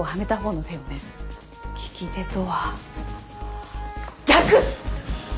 利き手とは逆！